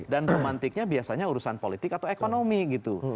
dan pemantiknya biasanya urusan politik atau ekonomi gitu